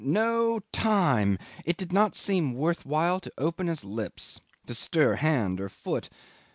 No time! It did not seem worth while to open his lips, to stir hand or foot.